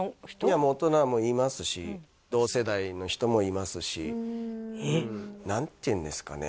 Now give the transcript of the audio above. いや大人もいますし同世代の人もいますし何ていうんですかね